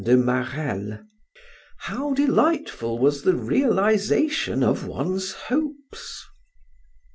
de Marelle. How delightful was the realization of one's hopes!